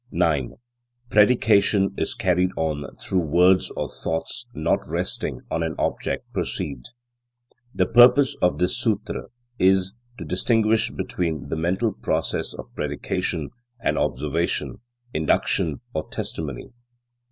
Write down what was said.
9. Predication is carried on through words or thoughts not resting on an object perceived. The purpose of this Sutra is, to distinguish between the mental process of predication, and observation, induction or testimony.